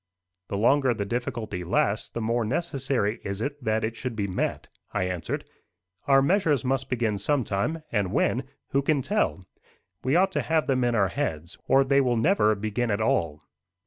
"The longer the difficulty lasts, the more necessary is it that it should be met," I answered. "Our measures must begin sometime, and when, who can tell? We ought to have them in our heads, or they will never begin at all."